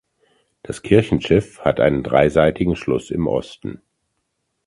Das Kirchenschiff hat einen dreiseitigen Schluss im Osten.